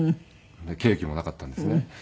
ケーキもなかったんですね。